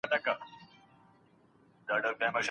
ایا موږ له کړکۍ څخه ډبره چاڼ کوو؟